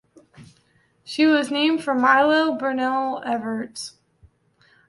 She was named for Milo Burnell Evarts.